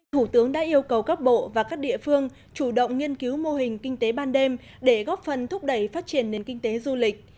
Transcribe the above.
thủ tướng đã yêu cầu các bộ và các địa phương chủ động nghiên cứu mô hình kinh tế ban đêm để góp phần thúc đẩy phát triển nền kinh tế du lịch